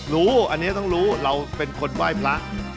รู้อันนี้ต้องรู้เราเป็นคนไหว้พระ